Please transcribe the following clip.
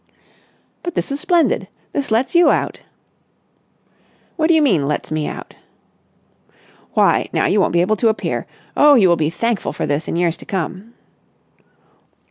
"But this is splendid! This lets you out." "What do you mean? Lets me out?" "Why, now you won't be able to appear. Oh, you will be thankful for this in years to come."